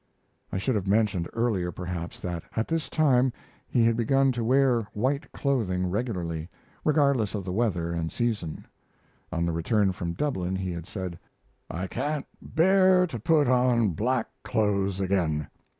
I should have mentioned earlier, perhaps, that at this time he had begun to wear white clothing regularly, regardless of the weather and season. On the return from Dublin he had said: "I can't bear to put on black clothes again.